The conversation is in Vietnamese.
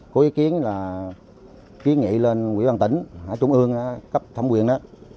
cô ý kiến là ký nghị lên quỹ bàn tỉnh trung ương cấp thẩm quyền đó